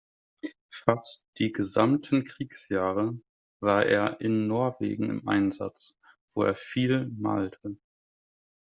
Fast die gesamten Kriegsjahre war er in Norwegen im Einsatz, wo er viel malte.